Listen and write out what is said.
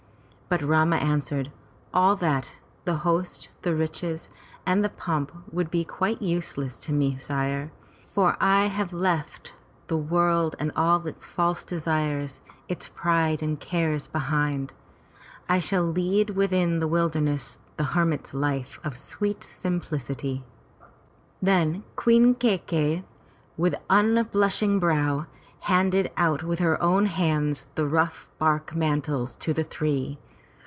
But Rama answered: "All that — the host, the riches, and the pomp would be quite useless to me, sire. For I have left the world and all its false desires, its pride and cares behind. I shall lead within the wilderness the hermit's life of sweet simplicity." Then Queen Kai key 'i, with unblushing brow, handed out with her own hands the rough bark mantles to the three.